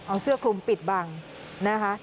เอาเสื้อคลุมปิดบังนะคะ